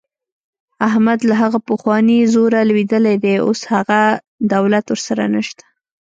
احمد له هغه پخواني زوره لوېدلی دی. اوس هغه دولت ورسره نشته.